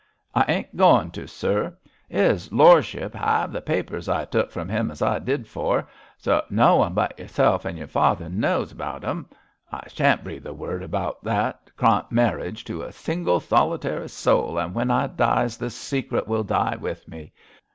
'I ain't goin' to, sir. His lor'ship 'ave the papers I took from him as I did for; so no one but yerself an' yer father knows about 'em. I sha'n't breathe a word about that Krant marriage to a single, solitary soul, and when I dies the secret will die with me.